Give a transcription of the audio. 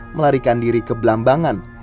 melarikan diri ke belambangan